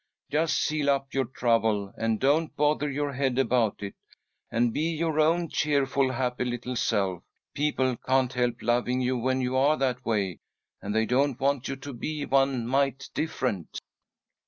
Just seal up your trouble, and don't bother your head about it, and be your own cheerful, happy little self. People can't help loving you when you are that way, and they don't want you to be one mite different."